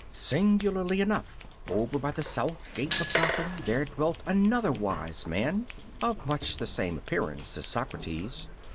Singularly enough, over by the south gate of Gotham there dwelt another wise man, of much the same appearance as Socrates.